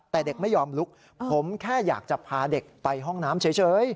แต่เด็กไม่ยอมลุกผมแค่อยากจะพาเด็กไปห้องน้ำเฉย